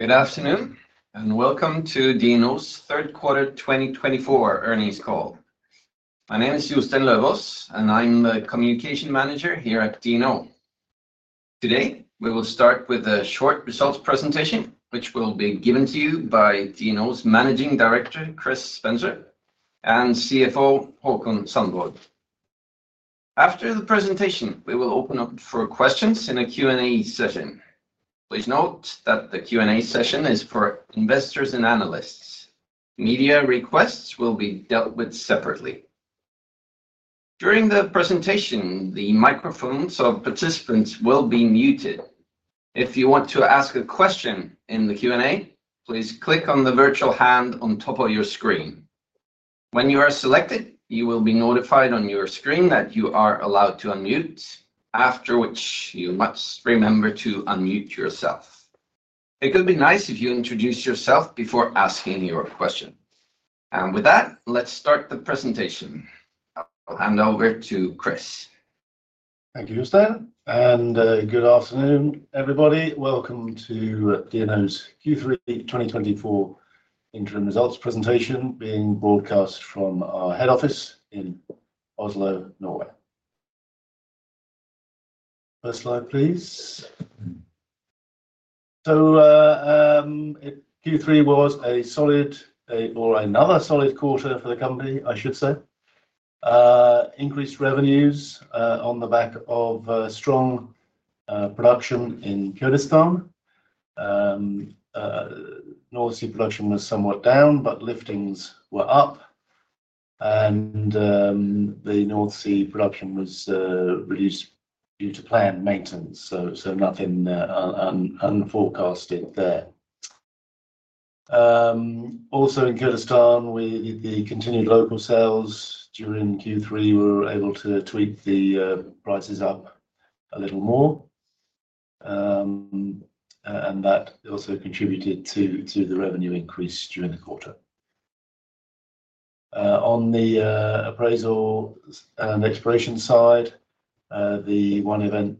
Good afternoon and welcome to DNO's Third Quarter 2024 earnings call. My name is Jostein Løvås, and I'm the Communication Manager here at DNO. Today, we will start with a short results presentation, which will be given to you by DNO's Managing Director, Chris Spencer, and CFO, Haakon Sandborg. After the presentation, we will open up for questions in a Q&A session. Please note that the Q&A session is for investors and analysts. Media requests will be dealt with separately. During the presentation, the microphones of participants will be muted. If you want to ask a question in the Q&A, please click on the virtual hand on top of your screen. When you are selected, you will be notified on your screen that you are allowed to unmute, after which you must remember to unmute yourself. It could be nice if you introduce yourself before asking your question. With that, let's start the presentation. I'll hand over to Chris. Thank you, Jostein. And good afternoon, everybody. Welcome to DNO's Q3 2024 interim results presentation being broadcast from our head office in Oslo, Norway. First slide, please. So Q3 was a solid, or another solid quarter for the company, I should say. Increased revenues on the back of strong production in Kurdistan. North Sea production was somewhat down, but liftings were up. And the North Sea production was reduced due to planned maintenance, so nothing unforecasted there. Also in Kurdistan, we did the continued local sales. During Q3, we were able to tweak the prices up a little more. And that also contributed to the revenue increase during the quarter. On the appraisal and exploration side, the one event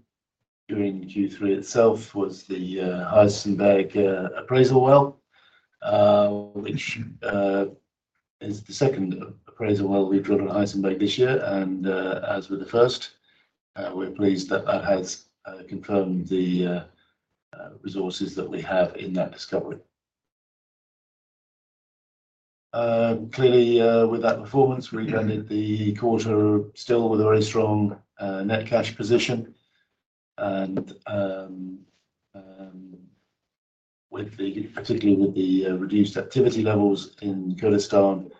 during Q3 itself was the Heisenberg appraisal well, which is the second appraisal well we've drawn at Heisenberg this year. As with the first, we're pleased that that has confirmed the resources that we have in that discovery. Clearly, with that performance, we've ended the quarter still with a very strong net cash position. Particularly with the reduced activity levels in Kurdistan,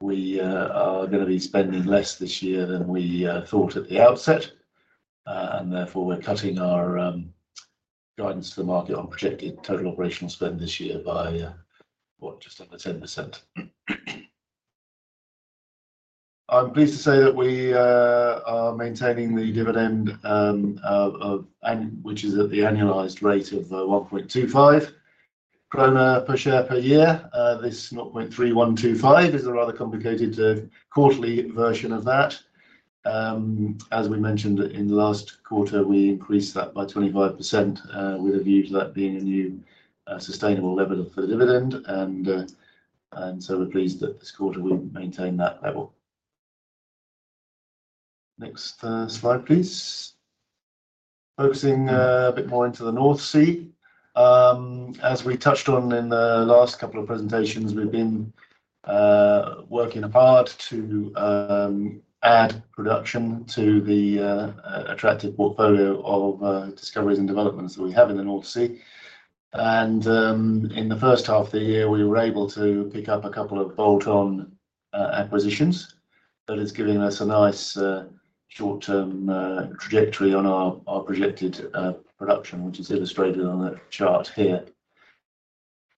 we are going to be spending less this year than we thought at the outset. Therefore, we're cutting our guidance to the market on projected total operational spend this year by just under 10%. I'm pleased to say that we are maintaining the dividend, which is at the annualized rate of 1.25 krone per share per year. This 0.3125 is a rather complicated quarterly version of that. As we mentioned in the last quarter, we increased that by 25% with a view to that being a new sustainable level for the dividend. So we're pleased that this quarter we maintain that level. Next slide, please. Focusing a bit more into the North Sea. As we touched on in the last couple of presentations, we've been working hard to add production to the attractive portfolio of discoveries and developments that we have in the North Sea, and in the first half of the year, we were able to pick up a couple of bolt-on acquisitions. That is giving us a nice short-term trajectory on our projected production, which is illustrated on the chart here.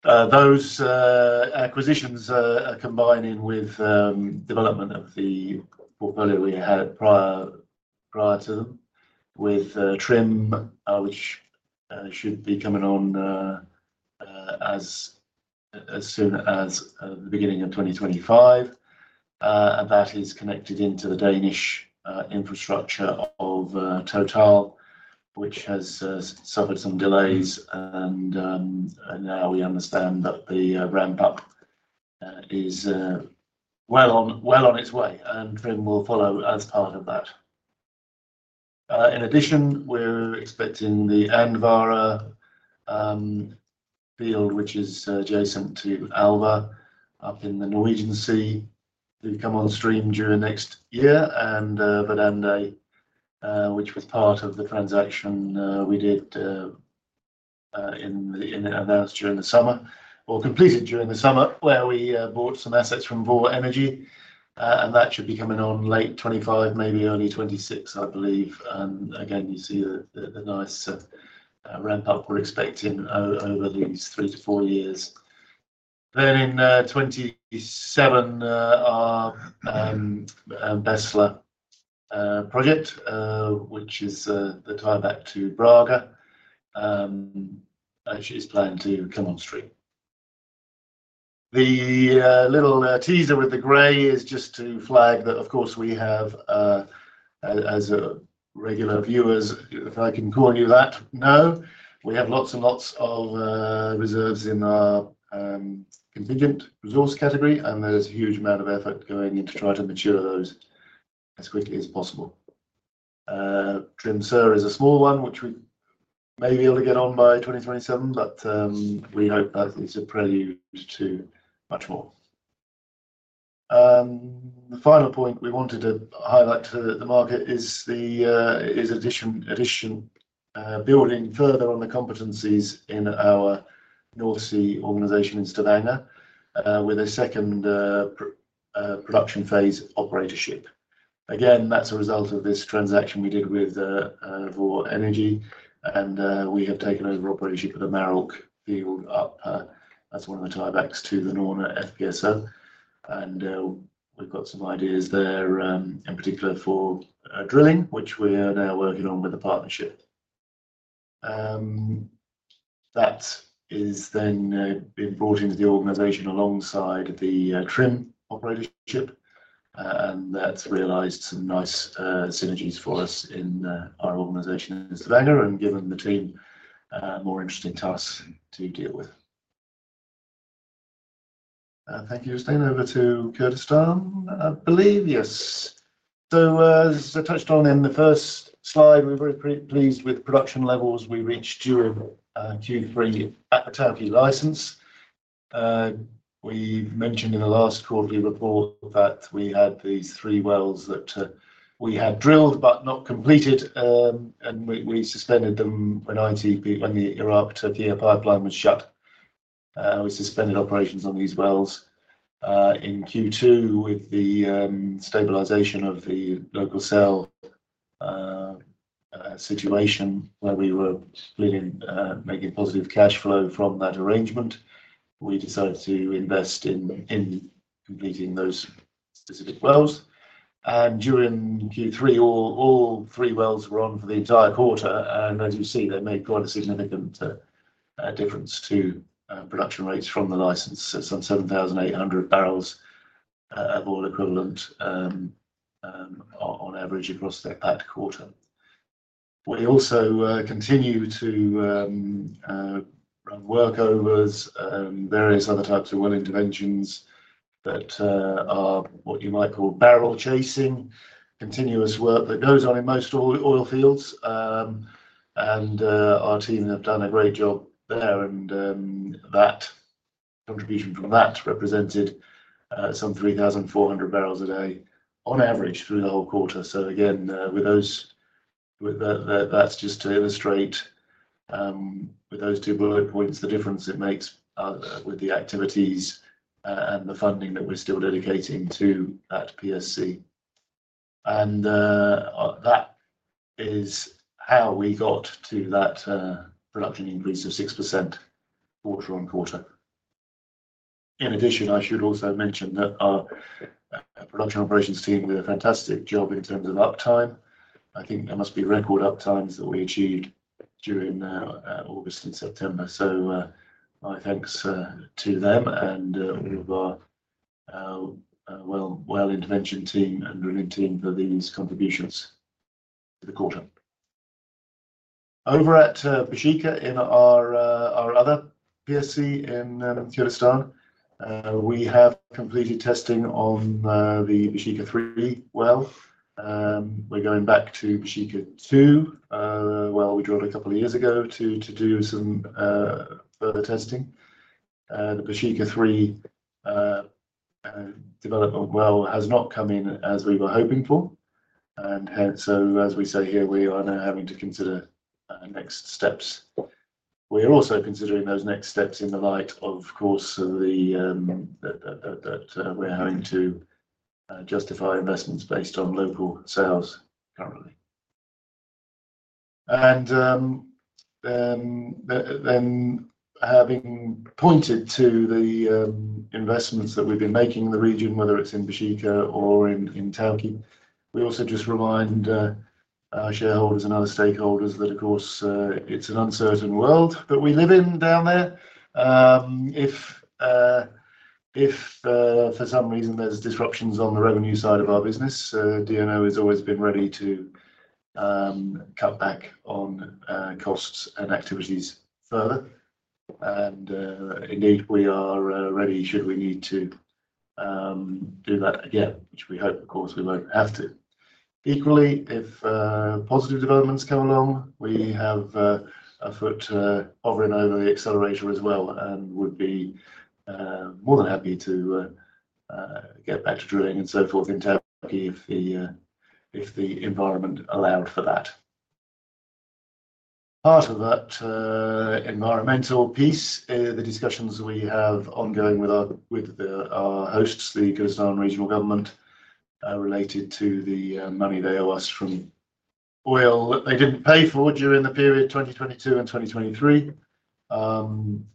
Those acquisitions are combining with development of the portfolio we had prior to them, with Trym, which should be coming on as soon as the beginning of 2025, and that is connected into the Danish infrastructure of Total, which has suffered some delays. And now we understand that the ramp-up is well on its way, and Trym will follow as part of that. In addition, we're expecting the Andvare field, which is adjacent to Alve up in the Norwegian Sea, to come on stream during next year. And Verdande, which was part of the transaction we did in the announced during the summer, or completed during the summer, where we bought some assets from Vår Energi. And that should be coming on late 2025, maybe early 2026, I believe. And again, you see the nice ramp-up we're expecting over these three to four years. Then in 2027, our Bestla project, which is the tieback to Brage, actually is planned to come on stream. The little teaser with the gray is just to flag that, of course, we have, as regular viewers, if I can call you that, no. We have lots and lots of reserves in our contingent resource category. There's a huge amount of effort going into trying to mature those as quickly as possible. Trym Sør is a small one, which we may be able to get on by 2027, but we hope that is a prelude to much more. The final point we wanted to highlight to the market is adding, building further on the competencies in our North Sea organization in Stavanger, with a second production phase operatorship. Again, that's a result of this transaction we did with Vår Energi. We have taken over operatorship of the Marulk field up. That's one of the tiebacks to the Norne FPSO. We've got some ideas there, in particular for drilling, which we're now working on with a partnership. That is then being brought into the organization alongside the Trym operatorship. And that's realized some nice synergies for us in our organization in Stavanger and given the team more interesting tasks to deal with. Thank you, Jostein. Over to Kurdistan, I believe. Yes. So as I touched on in the first slide, we're very pleased with production levels we reached during Q3 at the Tawke license. We mentioned in the last quarterly report that we had these three wells that we had drilled but not completed. And we suspended them when ITP, when the Iraq-Turkey pipeline was shut. We suspended operations on these wells in Q2 with the stabilization of the local security situation where we were making positive cash flow from that arrangement. We decided to invest in completing those specific wells. And during Q3, all three wells were on for the entire quarter. And as you see, they made quite a significant difference to production rates from the license. So some 7,800 barrels of oil equivalent on average across that quarter. We also continue to run workovers, various other types of well interventions that are what you might call barrel chasing, continuous work that goes on in most oil fields. And our team have done a great job there. And that contribution from that represented some 3,400 barrels a day on average through the whole quarter. So again, with those, that's just to illustrate with those two bullet points the difference it makes with the activities and the funding that we're still dedicating to that PSC. And that is how we got to that production increase of 6% quarter on quarter. In addition, I should also mention that our production operations team did a fantastic job in terms of uptime. I think there must be record uptimes that we achieved during August and September, so my thanks to them and all of our well intervention team and drilling team for these contributions to the quarter. Over at Baeshiqa in our other PSC in Kurdistan, we have completed testing on the Baeshiqa 3 well. We're going back to Baeshiqa 2, well we drilled a couple of years ago to do some further testing. The Baeshiqa 3 development well has not come in as we were hoping for, and so as we say here, we are now having to consider next steps. We are also considering those next steps in the light of, of course, that we're having to justify investments based on local sales currently. Then having pointed to the investments that we've been making in the region, whether it's in Baeshiqa or in Tawke, we also just remind our shareholders and other stakeholders that, of course, it's an uncertain world that we live in down there. If for some reason there's disruptions on the revenue side of our business, DNO has always been ready to cut back on costs and activities further. And indeed, we are ready should we need to do that again, which we hope, of course, we won't have to. Equally, if positive developments come along, we have a foot hovering over the accelerator as well and would be more than happy to get back to drilling and so forth in Tawke if the environment allowed for that. Part of that environmental piece, the discussions we have ongoing with our hosts, the Kurdistan Regional Government, related to the money they owe us from oil that they didn't pay for during the period 2022 and 2023.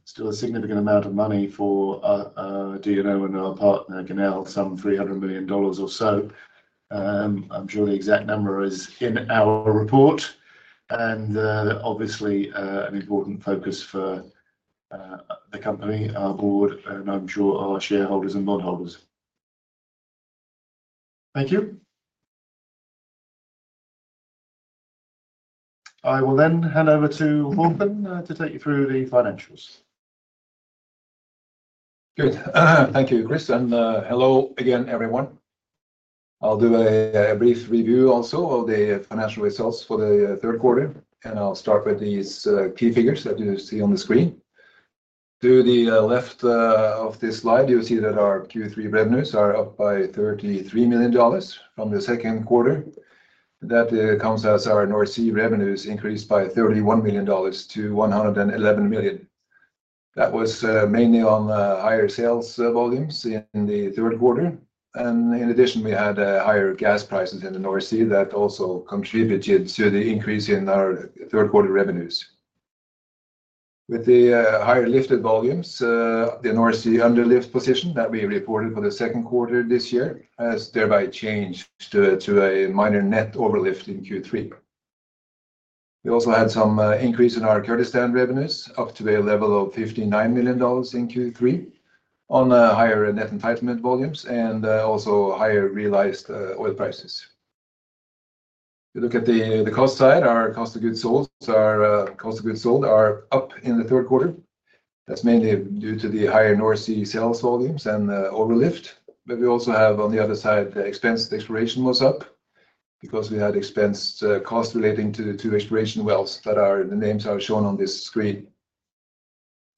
Still a significant amount of money for DNO and our partner, Genel, some $300 million or so. I'm sure the exact number is in our report, and obviously, an important focus for the company, our board, and I'm sure our shareholders and bondholders. Thank you.I will then hand over to Haakon to take you through the financials. Good. Thank you, Chris, and hello again, everyone. I'll do a brief review also of the financial results for the third quarter, and I'll start with these key figures that you see on the screen. To the left of this slide, you'll see that our Q3 revenues are up by $33 million from the second quarter. That comes as our North Sea revenues increased by $31 million to $111 million. That was mainly on higher sales volumes in the third quarter. And in addition, we had higher gas prices in the North Sea that also contributed to the increase in our third quarter revenues. With the higher lifted volumes, the North Sea underlift position that we reported for the second quarter this year has thereby changed to a minor net overlift in Q3. We also had some increase in our Kurdistan revenues up to a level of $59 million in Q3 on higher net entitlement volumes and also higher realized oil prices. If you look at the cost side, our cost of goods sold are up in the third quarter. That's mainly due to the higher North Sea sales volumes and overlift. But we also have on the other side, exploration expense was up because we had exploration costs relating to the two exploration wells, the names are shown on this screen.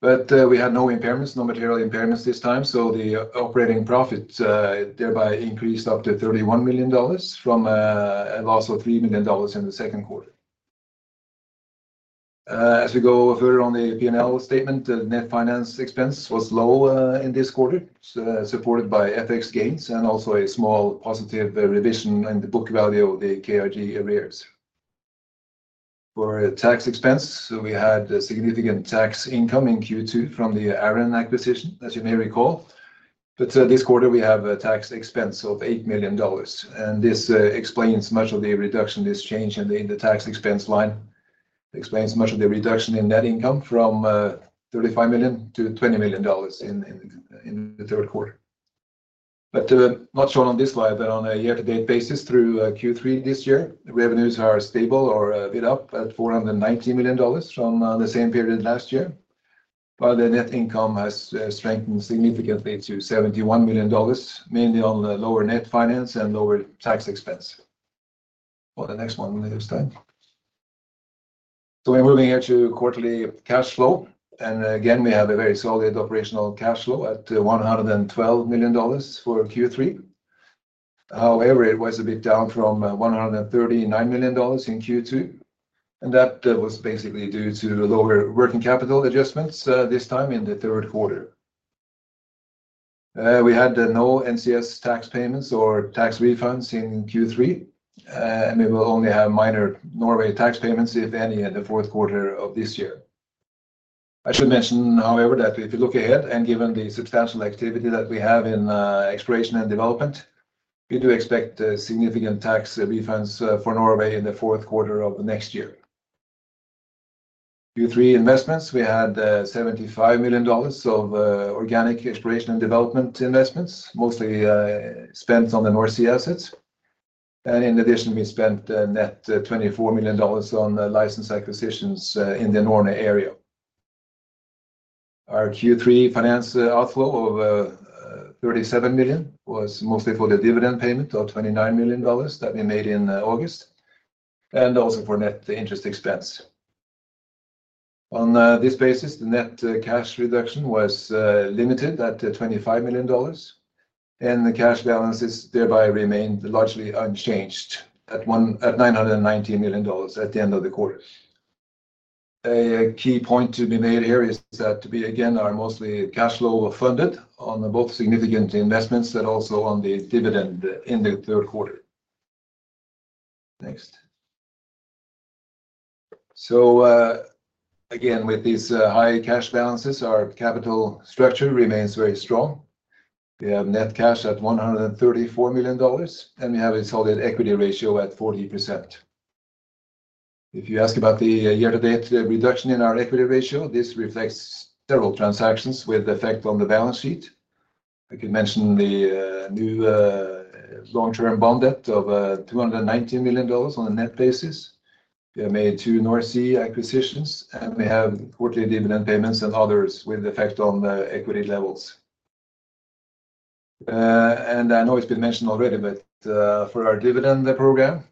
But we had no impairments, no material impairments this time. So the operating profit thereby increased up to $31 million from a loss of $3 million in the second quarter. As we go further on the P&L statement, the net finance expense was low in this quarter, supported by FX gains and also a small positive revision in the book value of the KRG arrears. For tax expense, we had significant tax income in Q2 from the Arran acquisition, as you may recall. But this quarter, we have a tax expense of $8 million. This explains much of the reduction, this change in the tax expense line. It explains much of the reduction in net income from $35 million to $20 million in the third quarter. Not shown on this slide, but on a year-to-date basis through Q3 this year, revenues are stable or a bit up at $490 million from the same period last year. The net income has strengthened significantly to $71 million, mainly on lower net finance and lower tax expense. The next one, Jostein Løvås. We're moving here to quarterly cash flow. Again, we have a very solid operational cash flow at $112 million for Q3. However, it was a bit down from $139 million in Q2. That was basically due to lower working capital adjustments this time in the third quarter. We had no NCS tax payments or tax refunds in Q3. We will only have minor Norway tax payments, if any, in the fourth quarter of this year. I should mention, however, that if you look ahead and given the substantial activity that we have in exploration and development, we do expect significant tax refunds for Norway in the fourth quarter of next year. Q3 investments, we had $75 million of organic exploration and development investments, mostly spent on the North Sea assets. And in addition, we spent net $24 million on license acquisitions in the Norne area. Our Q3 finance outflow of $37 million was mostly for the dividend payment of $29 million that we made in August, and also for net interest expense. On this basis, the net cash reduction was limited at $25 million. And the cash balances thereby remained largely unchanged at $919 million at the end of the quarter. A key point to be made here is that we, again, are mostly cash flow funded on both significant investments and also on the dividend in the third quarter. Next. So again, with these high cash balances, our capital structure remains very strong. We have net cash at $134 million. And we have a solid equity ratio at 40%. If you ask about the year-to-date reduction in our equity ratio, this reflects several transactions with effect on the balance sheet. I could mention the new long-term bond debt of $219 million on a net basis. We have made two North Sea acquisitions. And we have quarterly dividend payments and others with effect on equity levels. And I know it's been mentioned already, but for our dividend program,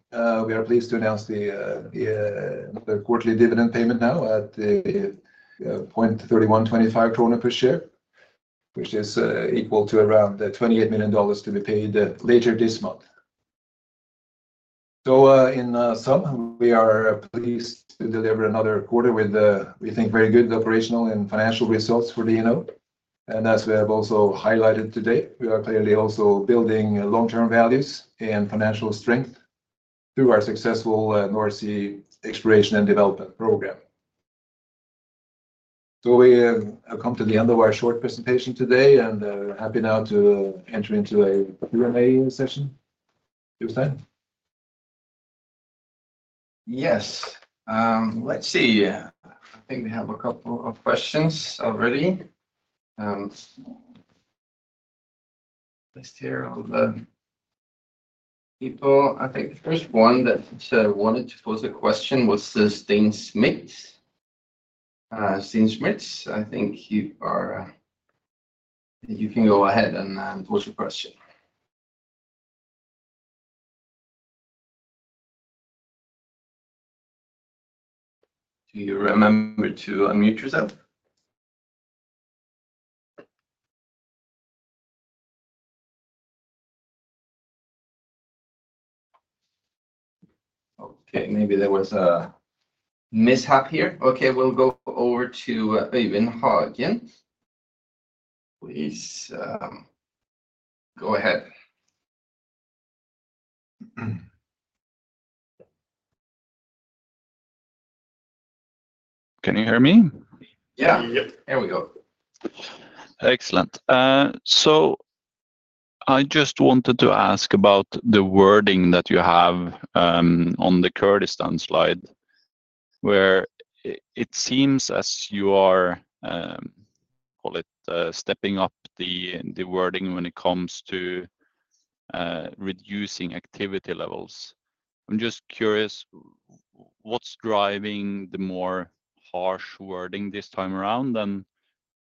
we are pleased to announce the quarterly dividend payment now at 0.3125 kroner per share, which is equal to around $28 million to be paid later this month. So in sum, we are pleased to deliver another quarter with, we think, very good operational and financial results for DNO. And as we have also highlighted today, we are clearly also building long-term values and financial strength through our successful North Sea exploration and development program. So we have come to the end of our short presentation today. And I'm happy now to enter into a Q&A session. Jostein. Yes. Let's see. I think we have a couple of questions already. Just here on the people. I think the first one that wanted to pose a question was Steen Smit. Steen Smit, I think you can go ahead and pose a question. Do you remember to unmute yourself? Okay. Maybe there was a mishap here. Okay. We'll go over to Eivind Hagen. Please go ahead. Can you hear me? Yeah. Yeah. There we go. Excellent. So I just wanted to ask about the wording that you have on the Kurdistan slide, where it seems as you are, call it, stepping up the wording when it comes to reducing activity levels. I'm just curious, what's driving the more harsh wording this time around?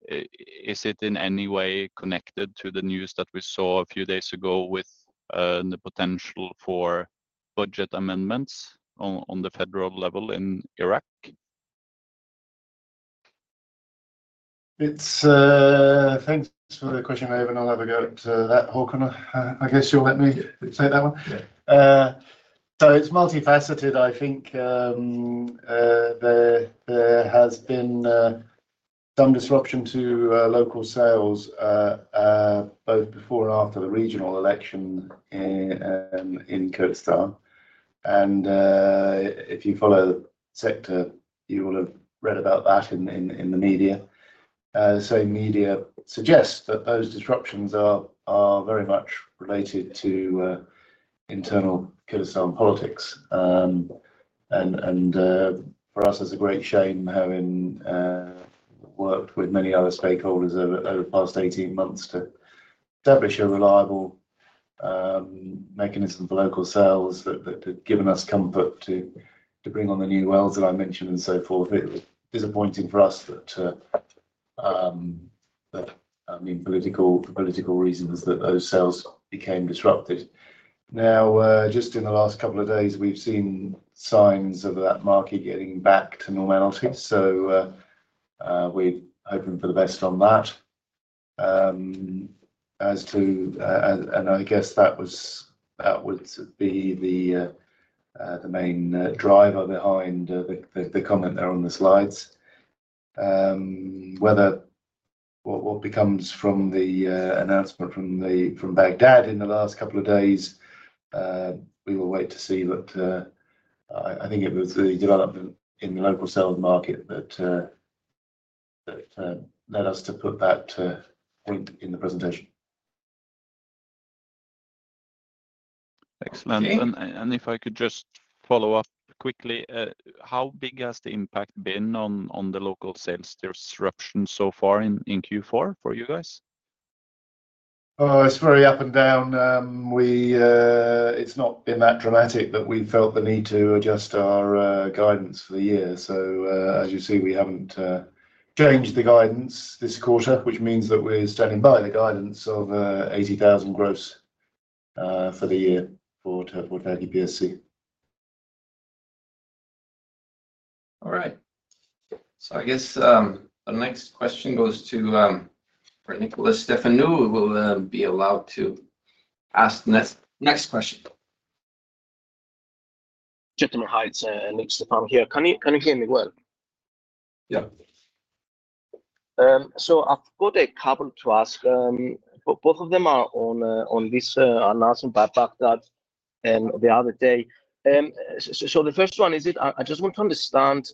And is it in any way connected to the news that we saw a few days ago with the potential for budget amendments on the federal level in Iraq? Thanks for the question, Eivind. I'll have a go at that, Haakon. I guess you'll let me say that one. So it's multifaceted, I think. There has been some disruption to local sales, both before and after the regional election in Kurdistan. And if you follow the sector, you will have read about that in the media. The same media suggests that those disruptions are very much related to internal Kurdistan politics. And for us, it's a great shame having worked with many other stakeholders over the past 18 months to establish a reliable mechanism for local sales that had given us comfort to bring on the new wells that I mentioned and so forth. It was disappointing for us that, I mean, for political reasons, that those sales became disrupted. Now, just in the last couple of days, we've seen signs of that market getting back to normality. So we're hoping for the best on that. And I guess that would be the main driver behind the comment there on the slides. What becomes from the announcement from Baghdad in the last couple of days, we will wait to see. But I think it was the development in the local sales market that led us to put that point in the presentation. Excellent. And if I could just follow up quickly, how big has the impact been on the local sales disruption so far in Q4 for you guys? It's very up and down. It's not been that dramatic, but we felt the need to adjust our guidance for the year. So as you see, we haven't changed the guidance this quarter, which means that we're standing by the guidance of 80,000 gross for the year for Tawke PSC. All right. So I guess the next question goes to Nikolas Stefanou. We'll be allowed to ask the next question. Gentlemen, hi, it's Nikolas Stefanou here. Can you hear me well? Yeah. So I've got a couple to ask. Both of them are on this announcement by Baghdad the other day. So the first one is, I just want to understand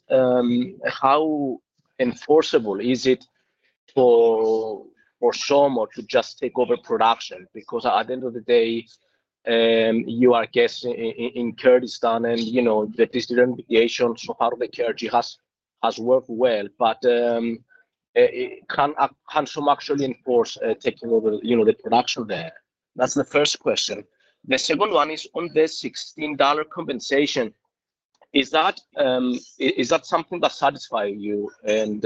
how enforceable is it for SOMO to just take over production? Because at the end of the day, you are guests in Kurdistan, and the relationship so far the KRG has worked well. But can SOMO actually enforce taking over the production there? That's the first question. The second one is on the $16 compensation. Is that something that satisfies you and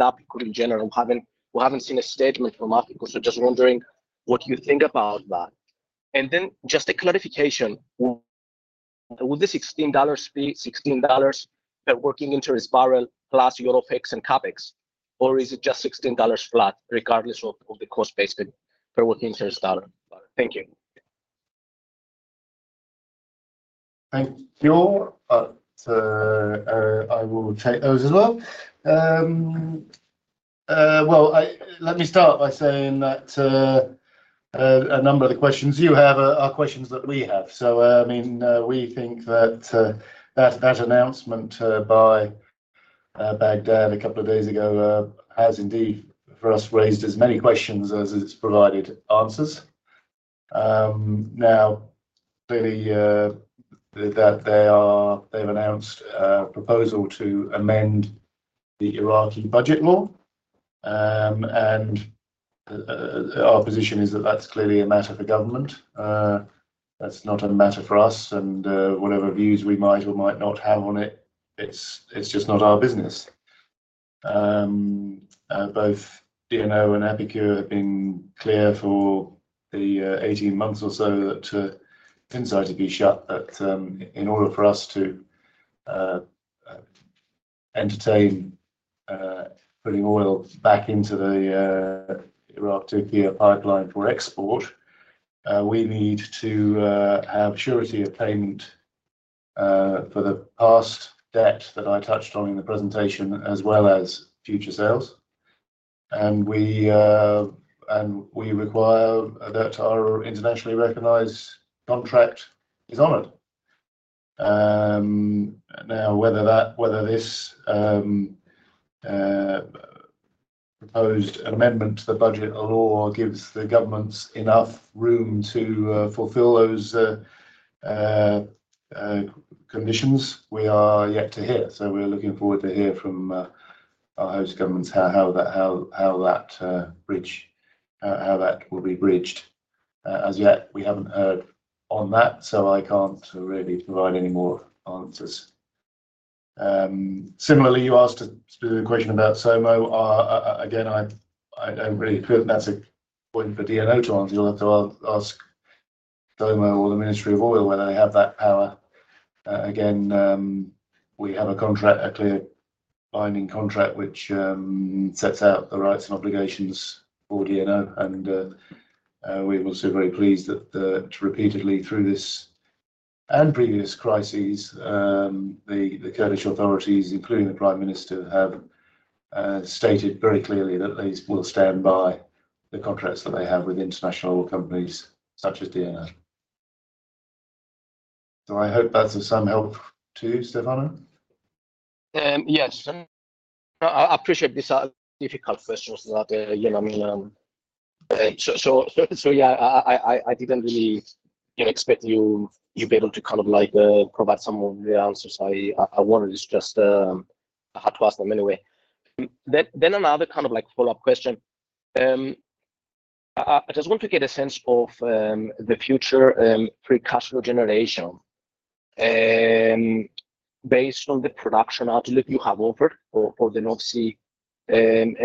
Africa in general? We haven't seen a statement from Africa. So just wondering what you think about that. And then just a clarification. Will this $16 be $16 per working interest barrel plus OpEx and CapEx? Or is it just $16 flat regardless of the cost-based per working interest barrel? Thank you. Thank you. But I will take those as well. Well, let me start by saying that a number of the questions you have are questions that we have. So I mean, we think that that announcement by Baghdad a couple of days ago has indeed for us raised as many questions as it's provided answers. Now, clearly, they've announced a proposal to amend the Iraqi budget law. And our position is that that's clearly a matter for government. That's not a matter for us. And whatever views we might or might not have on it, it's just not our business. Both DNO and APIKUR have been clear for the 18 months or so that, in spite of it being shut, in order for us to entertain putting oil back into the Iraq-Turkey pipeline for export, we need to have surety of payment for the past debt that I touched on in the presentation, as well as future sales. We require that our internationally recognized contract is honored. Now, whether this proposed amendment to the budget law gives the governments enough room to fulfill those conditions, we are yet to hear, so we're looking forward to hear from our host governments how that bridge, how that will be bridged. As yet, we haven't heard on that, so I can't really provide any more answers. Similarly, you asked a specific question about SOMO. Again, I don't really feel that that's a point for DNO to answer. You'll have to ask SOMO or the Ministry of Oil where they have that power. Again, we have a clear binding contract which sets out the rights and obligations for DNO. And we were also very pleased that repeatedly through this and previous crises, the Kurdish authorities, including the Prime Minister, have stated very clearly that they will stand by the contracts that they have with international companies such as DNO. So I hope that's of some help too, Stefano? Yes. I appreciate these difficult questions that, I mean, so yeah, I didn't really expect you to be able to kind of provide some of the answers. I wanted to just add to ask them anyway. Then another kind of follow-up question. I just want to get a sense of the future free cash flow generation based on the production outlook you have offered for the North Sea and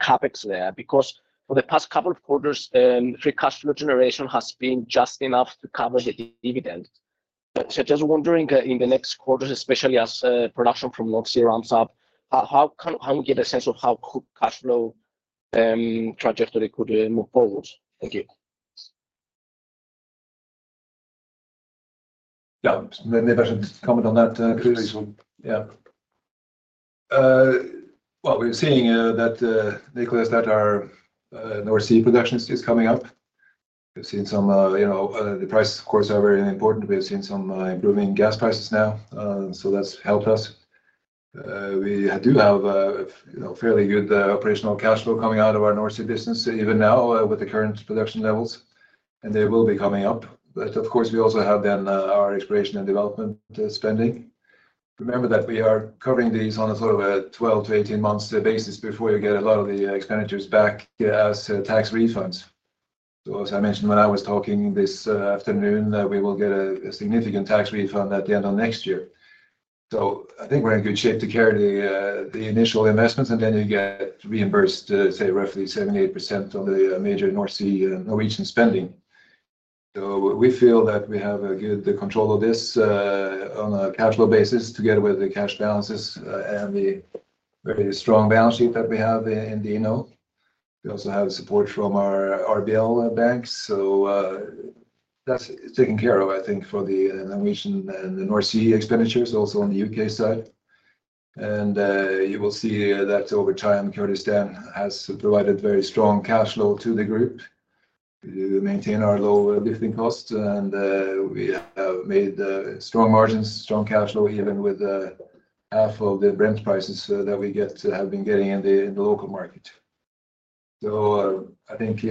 CapEx there. Because for the past couple of quarters, free cash flow generation has been just enough to cover the dividend. So just wondering in the next quarter, especially as production from North Sea ramps up, how can we get a sense of how cash flow trajectory could move forward. Thank you. Yeah. Maybe I should comment on that briefly. Yeah. Well, we're seeing that Nicholas said our North Sea production is coming up. We've seen some the price, of course, are very important. We've seen some improving gas prices now. So that's helped us. We do have fairly good operational cash flow coming out of our North Sea business even now with the current production levels. And they will be coming up. But of course, we also have then our exploration and development spending. Remember that we are covering these on a sort of a 12-18 months basis before you get a lot of the expenditures back as tax refunds. So as I mentioned when I was talking this afternoon, we will get a significant tax refund at the end of next year. So I think we're in good shape to carry the initial investments. And then you get reimbursed, say, roughly 78% of the major North Sea Norwegian spending. So we feel that we have a good control of this on a cash flow basis together with the cash balances and the very strong balance sheet that we have in DNO. We also have support from our RBL banks. So that's taken care of, I think, for the Norwegian and the North Sea expenditures, also on the UK side. And you will see that over time, Kurdistan has provided very strong cash flow to the group. We maintain our low lifting costs. And we have made strong margins, strong cash flow, even with half of the Brent prices that we have been getting in the local market. So I think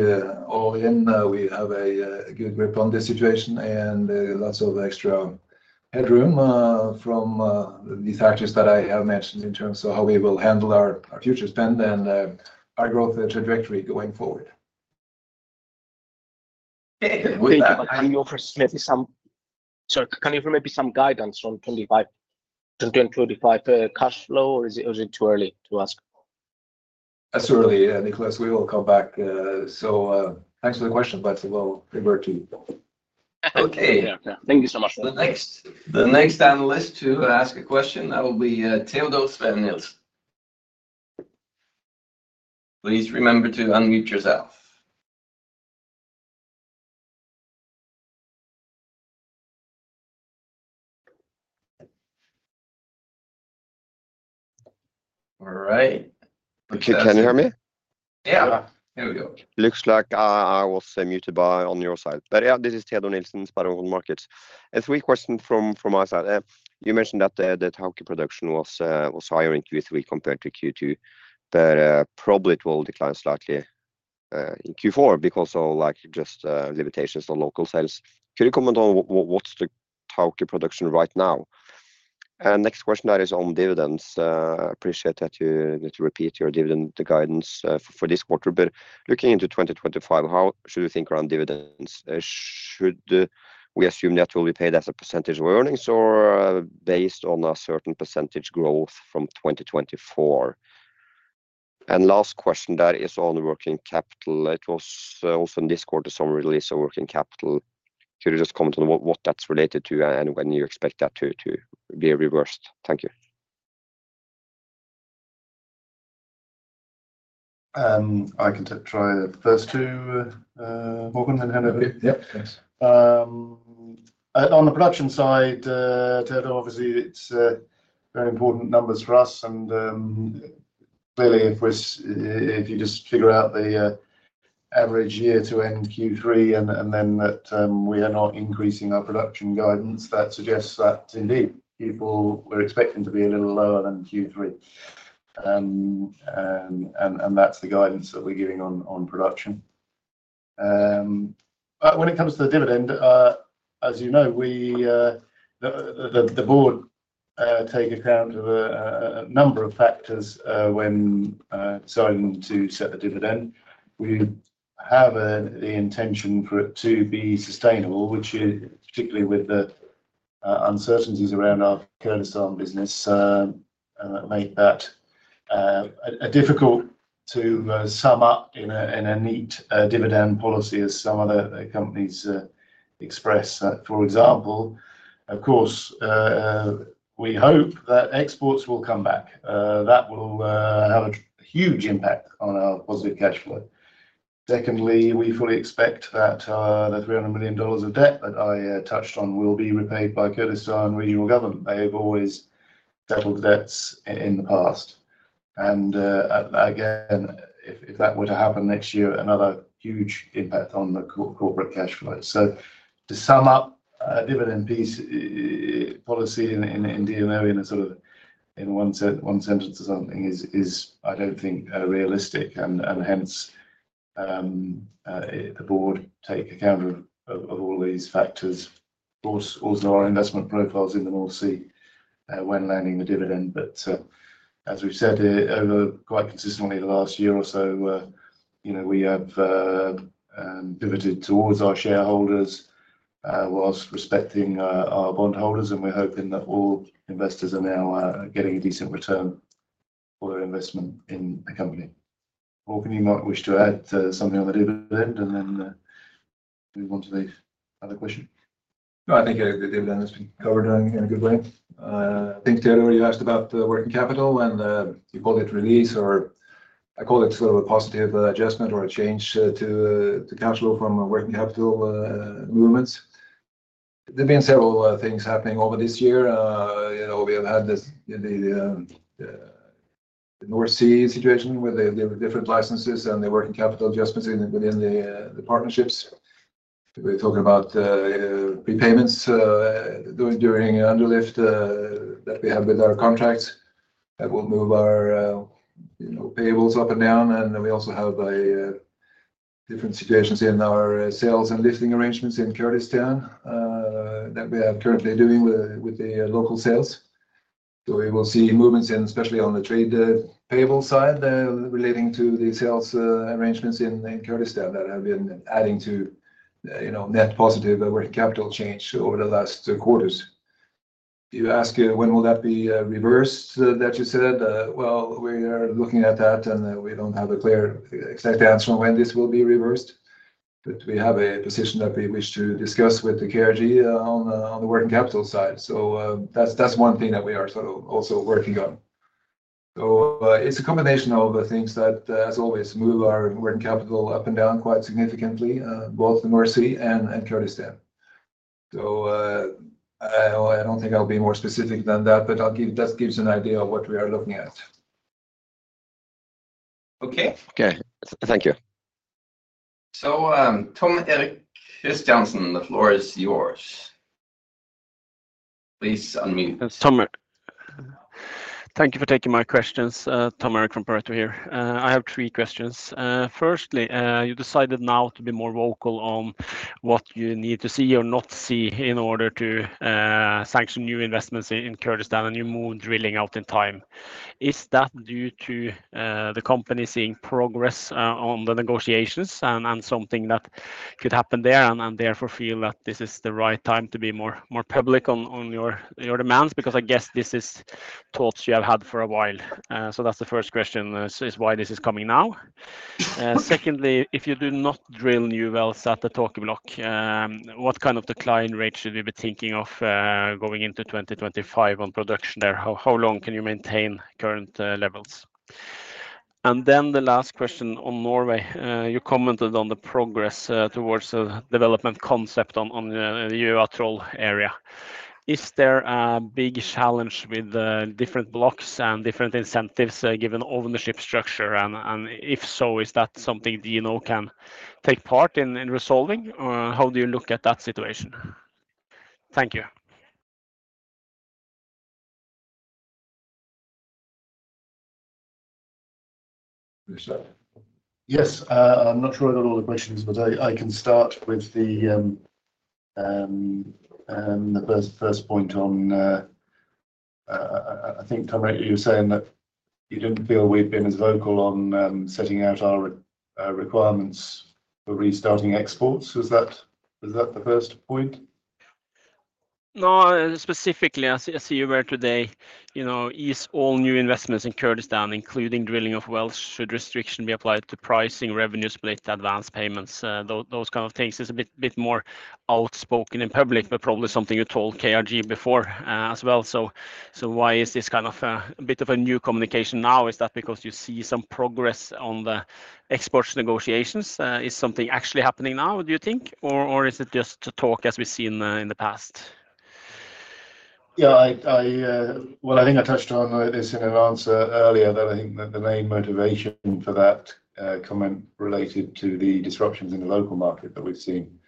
all in, we have a good grip on this situation and lots of extra headroom from these factors that I have mentioned in terms of how we will handle our future spend and our growth trajectory going forward. Can you offer maybe some guidance on 25%-25% cash flow, or is it too early to ask? That's too early, Nicholas. We will come back, so thanks for the question, but we'll revert to you. Okay. Thank you so much. The next analyst to ask a question will be Teodor Sveen-Nilsen, Spencer. Please remember to unmute yourself. All right. Can you hear me? Yeah. Here we go. Looks like I was muted by on your side. But yeah, this is Teodor Sveen-Nilsen, SpareBank 1 Markets. I have three questions from my side. You mentioned that the Tawke production was higher in Q3 compared to Q2, but probably it will decline slightly in Q4 because of just limitations on local sales. Could you comment on what's the Tawke production right now? Next question that is on dividends. I appreciate that you repeated your dividend guidance for this quarter. But looking into 2025, how should we think around dividends? Should we assume that will be paid as a percentage of earnings or based on a certain percentage growth from 2024? And last question that is on working capital. It was also in this quarter some release of working capital. Could you just comment on what that's related to and when you expect that to be reversed? Thank you. I can try the first two, Haakon and Handover. On the production side, Teo, obviously, it's very important numbers for us. And clearly, if you just figure out the average year to end Q3 and then that we are not increasing our production guidance, that suggests that indeed people were expecting to be a little lower than Q3. And that's the guidance that we're giving on production. But when it comes to the dividend, as you know, the board takes account of a number of factors when deciding to set the dividend. We have the intention for it to be sustainable, which particularly with the uncertainties around our Kurdistan business make that difficult to sum up in a neat dividend policy, as some other companies express. For example, of course, we hope that exports will come back. That will have a huge impact on our positive cash flow. Secondly, we fully expect that the $300 million of debt that I touched on will be repaid by Kurdistan Regional Government. They have always settled debts in the past. And again, if that were to happen next year, another huge impact on the corporate cash flow. So to sum up, dividend policy in DNO in a sort of one sentence or something is, I don't think, realistic. And hence, the board takes account of all these factors, also our investment profiles in the North Sea when landing the dividend. But as we've said, quite consistently the last year or so, we have pivoted towards our shareholders whilst respecting our bondholders. And we're hoping that all investors are now getting a decent return for their investment in the company. Hakakon, you might wish to add something on the dividend? And then we want to leave other questions. I think the dividend has been covered in a good way. I think Teo already asked about the working capital, and you call it release, or I call it sort of a positive adjustment or a change to cash flow from working capital movements. There have been several things happening over this year. We have had the North Sea situation with the different licenses and the working capital adjustments within the partnerships. We're talking about repayments during underlift that we have with our contracts that will move our payables up and down, and we also have different situations in our sales and lifting arrangements in Kurdistan that we are currently doing with the local sales, so we will see movements, especially on the trade payable side relating to the sales arrangements in Kurdistan that have been adding to net positive working capital change over the last quarters. You ask when will that be reversed that you said. Well, we are looking at that, and we don't have a clear exact answer on when this will be reversed. But we have a position that we wish to discuss with the KRG on the working capital side. So that's one thing that we are sort of also working on. So it's a combination of things that, as always, move our working capital up and down quite significantly, both the North Sea and Kurdistan. So I don't think I'll be more specific than that, but that gives an idea of what we are looking at. Okay? Okay. Thank you. So Tom Erik Kristiansen, the floor is yours. Please unmute. Thank you for taking my questions. Tom Erik from Pareto here. I have three questions. Firstly, you decided now to be more vocal on what you need to see or not see in order to sanction new investments in Kurdistan and you move drilling out in time. Is that due to the company seeing progress on the negotiations and something that could happen there and therefore feel that this is the right time to be more public on your demands? Because I guess this is thoughts you have had for a while. So that's the first question is why this is coming now. Secondly, if you do not drill new wells at the Tawke Block, what kind of decline rate should we be thinking of going into 2025 on production there? How long can you maintain current levels? And then the last question on Norway. You commented on the progress towards the development concept on the Troll area. Is there a big challenge with different blocks and different incentives given ownership structure? And if so, is that something DNO can take part in resolving? How do you look at that situation? Thank you. Yes. I'm not sure I got all the questions, but I can start with the first point on I think Tom Erik you were saying that you didn't feel we'd been as vocal on setting out our requirements for restarting exports. Was that the first point? No, specifically, as you were today, is all new investments in Kurdistan, including drilling of wells, should restriction be applied to pricing, revenue split, advance payments, those kind of things? It's a bit more outspoken in public, but probably something you told KRG before as well. So why is this kind of a bit of a new communication now? Is that because you see some progress on the exports negotiations? Is something actually happening now, do you think? Or is it just talk as we've seen in the past? Yeah. What I think I touched on this in an answer earlier that I think the main motivation for that comment related to the disruptions in the local market that we've seen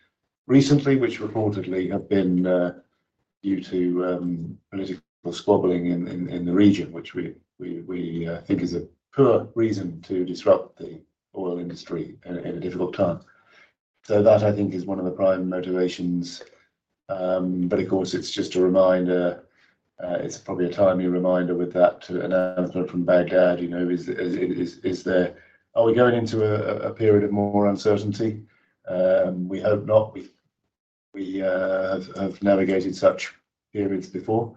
recently, which reportedly have been due to political squabbling in the region, which we think is a poor reason to disrupt the oil industry in a difficult time. So that I think is one of the prime motivations. But of course, it's just a reminder. It's probably a timely reminder with that announcement from Baghdad. Are we going into a period of more uncertainty? We hope not. We have navigated such periods before.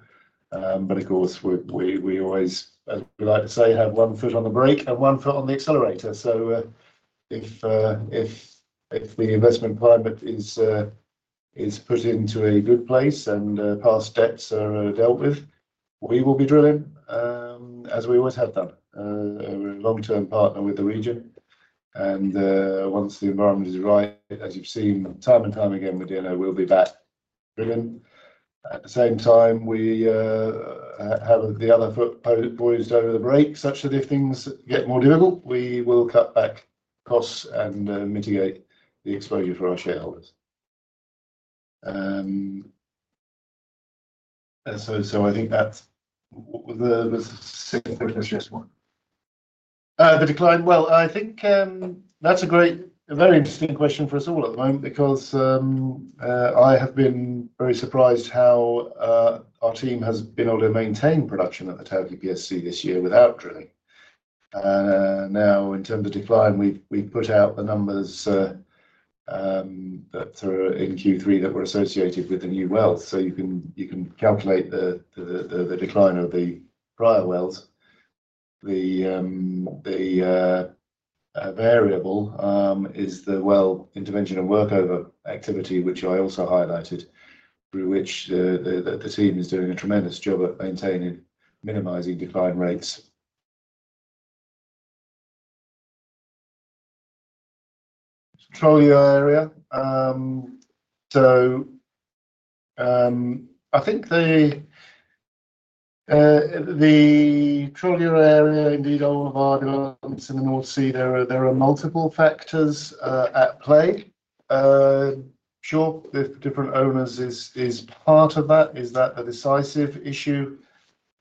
But of course, we always, as we like to say, have one foot on the brake and one foot on the accelerator. If the investment climate is put into a good place and past debts are dealt with, we will be drilling as we always have done. We're a long-term partner with the region. Once the environment is right, as you've seen time and time again with DNO, we'll be back drilling. At the same time, we have the other foot poised over the brake such that if things get more difficult, we will cut back costs and mitigate the exposure for our shareholders. I think that's the simplest one. The decline. I think that's a very interesting question for us all at the moment because I have been very surprised how our team has been able to maintain production at the Tawke PSC this year without drilling. Now, in terms of decline, we've put out the numbers that are in Q3 that were associated with the new wells. So you can calculate the decline of the prior wells. The variable is the well intervention and workover activity, which I also highlighted, through which the team is doing a tremendous job at maintaining minimizing decline rates. Petroleum area. So I think the petroleum area, indeed, all of our developments in the North Sea, there are multiple factors at play. Sure, different owners is part of that. Is that the decisive issue?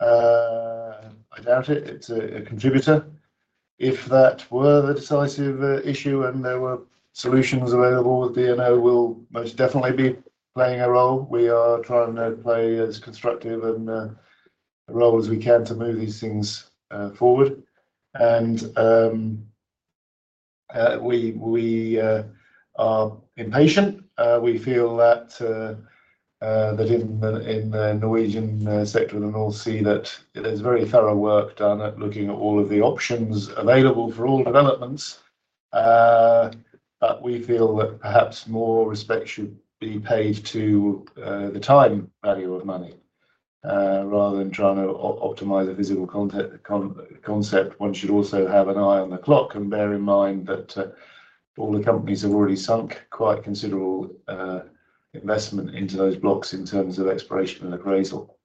I doubt it. It's a contributor. If that were the decisive issue and there were solutions available, DNO will most definitely be playing a role. We are trying to play as constructive a role as we can to move these things forward. And we are impatient. We feel that in the Norwegian sector of the North Sea, that there's very thorough work done at looking at all of the options available for all developments. But we feel that perhaps more respect should be paid to the time value of money rather than trying to optimize a physical concept. One should also have an eye on the clock and bear in mind that all the companies have already sunk quite considerable investment into those blocks in terms of exploration and appraisal.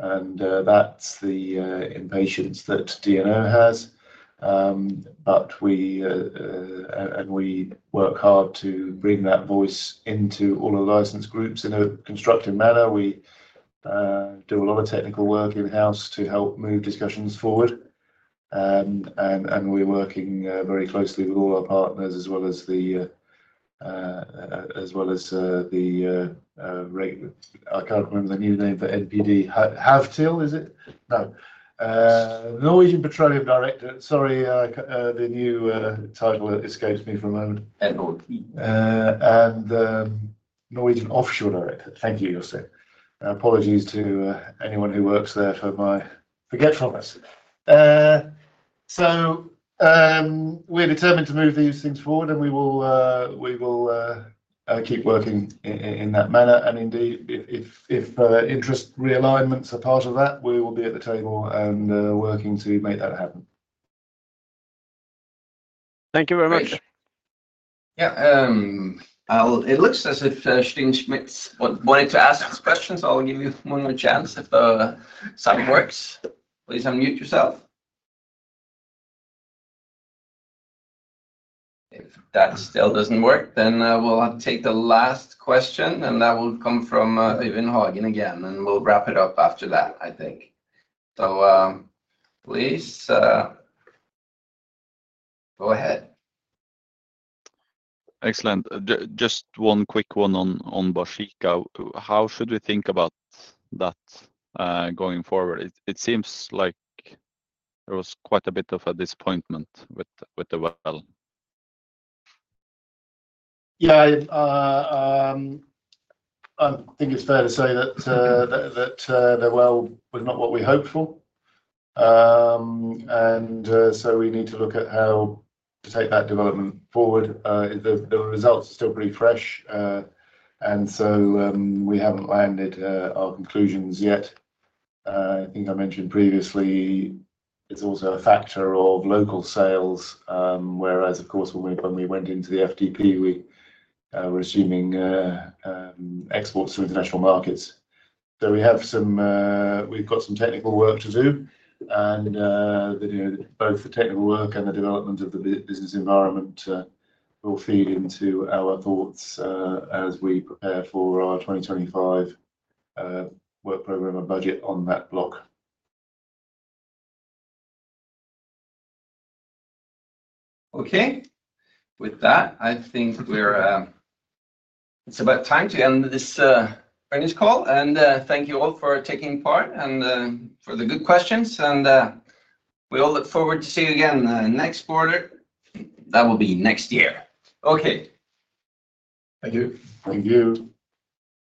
And that's the impatience that DNO has. And we work hard to bring that voice into all of the license groups in a constructive manner. We do a lot of technical work in-house to help move discussions forward. And we're working very closely with all our partners as well as the I can't remember the new name for NPD. Havtil, is it? No. Norwegian Petroleum Directorate. Sorry, the new title escapes me for a moment. NOD. Norwegian Offshore Directorate. Thank you, Jostein. Apologies to anyone who works there for my forgetfulness. We're determined to move these things forward, and we will keep working in that manner. Indeed, if interest realignments are part of that, we will be at the table and working to make that happen. Thank you very much. Yeah. It looks as if Steen Schmidt wanted to ask his questions. I'll give you one more chance if that works. Please unmute yourself. If that still doesn't work, then we'll take the last question, and that will come from Eivind Hagen again, and we'll wrap it up after that, I think, so please go ahead. Excellent. Just one quick one on Baeshiqa. How should we think about that going forward? It seems like there was quite a bit of a disappointment with the well. Yeah. I think it's fair to say that the well was not what we hoped for. And so we need to look at how to take that development forward. The results are still pretty fresh. And so we haven't landed our conclusions yet. I think I mentioned previously, it's also a factor of local sales, whereas, of course, when we went into the FTP, we were assuming exports to international markets. So we've got some technical work to do. And both the technical work and the development of the business environment will feed into our thoughts as we prepare for our 2025 work program and budget on that block. Okay. With that, I think it's about time to end this earnings call. And thank you all for taking part and for the good questions. And we all look forward to seeing you again next quarter. That will be next year. Okay. Thank you. Thank you.